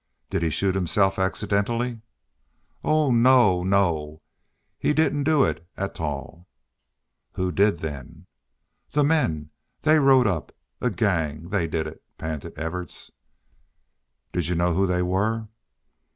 "Did he shoot himself accidentally?" "Oh no! No! He didn't do it atall." "Who did, then?" "The men they rode up a gang they did it," panted Evarts. "Did you know who they were?"